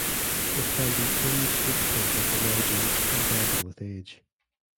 It can be tinged with pink at the margins and darken with age.